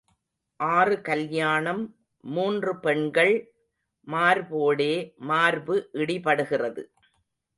ஆறு கல்யாணம் மூன்று பெண்கள் மார்போடே மார்பு இடிபடுகிறது.